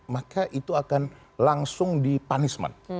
maka itu akan langsung dipanisman